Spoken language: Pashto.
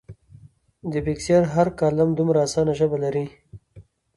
د بېکسیار هر کالم دومره اسانه ژبه لري.